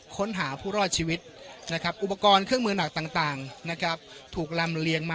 ค้นหาผู้รอดชีวิตอุปกรณ์เครื่องมือหนักต่าง